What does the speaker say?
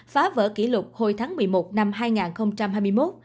phá vỡ kỷ lục hồi tháng một mươi một năm hai nghìn hai mươi một